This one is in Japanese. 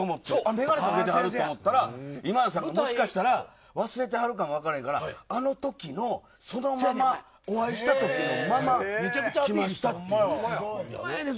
眼鏡かけてると思ったら今田さん、もしかしたら忘れてはるかも分からないからあのときのそのまま、お会いしたときのまま来ましたって。